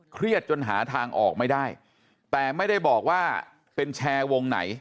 เครียดจนหาทางออกไม่ได้แต่ไม่ได้บอกว่าเป็นแชร์วงไหน